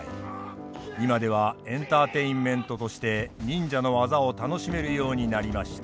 今ではエンターテインメントとして忍者の技を楽しめるようになりました。